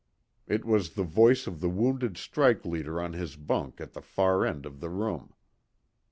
It was the voice of the wounded strike leader on his bunk at the far end of the room.